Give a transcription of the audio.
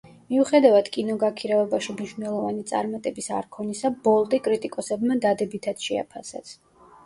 მიუხედავად კინოგაქირავებაში მნიშვნელოვანი წარმატების არქონისა, „ბოლტი“ კრიტიკოსებმა დადებითად შეაფასეს.